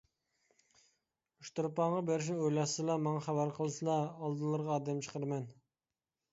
ئۇچتۇرپانغا بېرىشنى ئويلاشسىلا ماڭا خەۋەر قىلسىلا ئالدىلىرىغا ئادەم چىقىرىمەن.